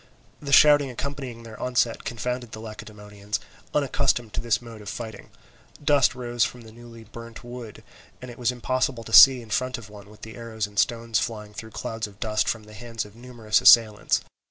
The shouting accompanying their onset confounded the Lacedaemonians, unaccustomed to this mode of fighting; dust rose from the newly burnt wood, and it was impossible to see in front of one with the arrows and stones flying through clouds of dust from the hands of numerous assailants.